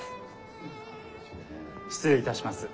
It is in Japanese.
失礼いたします。